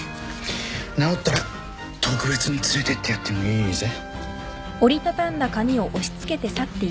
治ったら特別に連れてってやってもいいぜ。